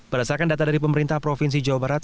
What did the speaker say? berdasarkan data dari pemerintah provinsi jawa barat